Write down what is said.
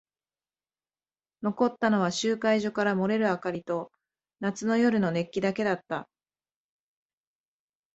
残ったのは集会所から漏れる明かりと夏の夜の熱気だけだった。